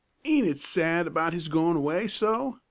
'Aint it sad about his goin' away so?